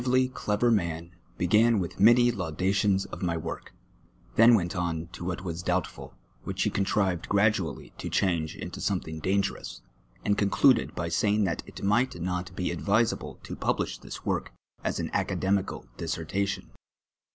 a livoh , clever man, lioji^an witli many laudations of my work, then went on to what was douhttiil, which he contrived pja dualh' to chanfi^e into something:; danij^crous, and concluded by snvin'j: that it mij^lit not be advisable to pid)lish this work a« an aeailoniical dissertation.